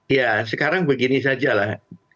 ya sekarang begini saja lah